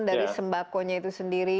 dari sembako nya itu sendiri